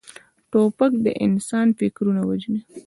توپک د انسان فکرونه وژني.